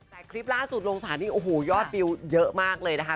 แต่คลิปล่าสุดลงสถานีโอ้โหยอดวิวเยอะมากเลยนะคะ